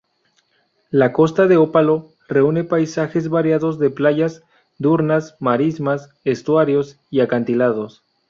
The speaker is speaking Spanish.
La costa de Ópalo reúne paisajes variados de playas, dunas, marismas, estuarios y acantilados.